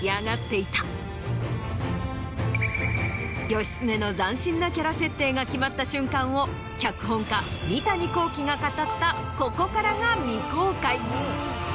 義経の斬新なキャラ設定が決まった瞬間を脚本家三谷幸喜が語ったここからが未公開。